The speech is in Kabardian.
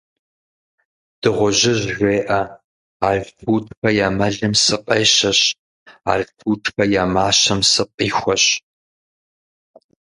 Дыгъужьыжь жеӀэ: «Алтутхэ я мэлым сыкъещэщ, Алтутхэ я мащэм сыкъихуэщ.».